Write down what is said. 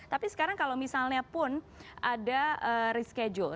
tapi sekarang kalau misalnya pun ada reschedule